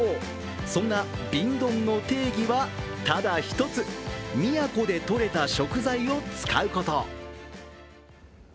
そんな瓶ドンの定義はただ一つ、宮古でとれた食材を使うこと。